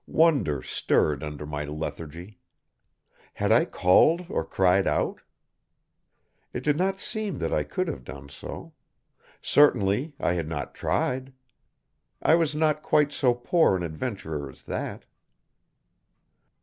Wonder stirred under my lethargy. Had I called or cried out? It did not seem that I could have done so. Certainly I had not tried! I was not quite so poor an adventurer as that.